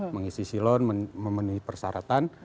mengisi silon memenuhi persyaratan